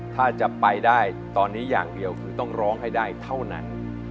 ถ้าจะไปได้ตอนนี้อย่างเดียวคือต้องร้องให้ได้เท่านั้น